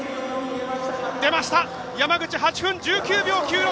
出ました、山口８分１９秒９６。